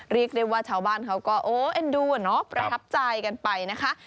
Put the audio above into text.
เรียกได้ว่าชาวบ้านเขาก็โอ้เอ็นดูอะเนาะประทับใจกันไปนะคะ